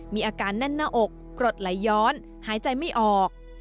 มีอาการแน่นหน้าอกกรดไหลย้อนหายใจไม่ออก